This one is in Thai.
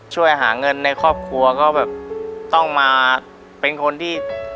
ช่วยหาเงินในครอบครัวก็แบบต้องมาเป็นคนที่